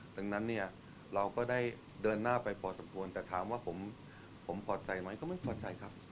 ดังนั้นเนี่ยเราก็ได้เดินหน้าไปพอสมควรแต่ถามว่าผมพอใจไหมก็ไม่พอใจครับ